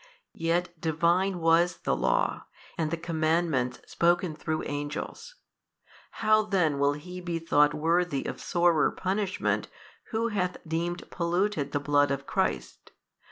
Yet Divine was the Law, and the Commandments spoken through Angels: how then will he be thought worthy of sorer punishment who hath deemed polluted the Blood of Christ?